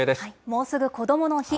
もうすぐこどもの日。